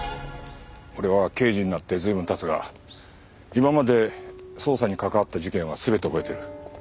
俺は刑事になって随分経つが今まで捜査に関わった事件は全て覚えてる。